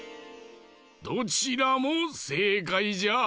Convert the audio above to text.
どちらもせいかいじゃ。